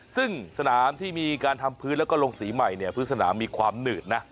ซึ่งสนามที่มีการทำพื้นแล้วก็ลงสีใหม่เนี่ยพื้นสนามมีความหนืดนะ